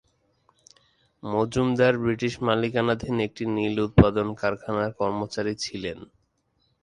Majumdar British মালিকানাধীন একটি নীল উৎপাদন কারখানার কর্মচারী ছিলেন।